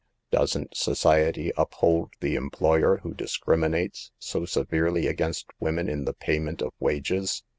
Doesn't society uphold the employer who discriminates so severely against women in the payment of wages?